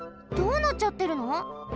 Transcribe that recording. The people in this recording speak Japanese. どうなっちゃってるの？